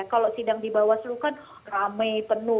kalau sidang di bawaslu kan rame penuh